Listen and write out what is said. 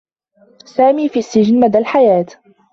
سامي في السّجن مدى الحياة.